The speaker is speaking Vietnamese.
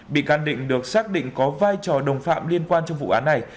bị can định được xác định có vai trò đồng phạm liên quan trong vụ án này